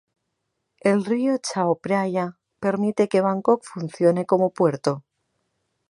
El río "Chao Phraya" permite que Bangkok funcione como puerto.